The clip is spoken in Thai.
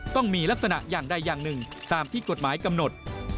ต้องมีลักษณะอย่างใดอย่างหนึ่งตามที่กฎหมายกำหนด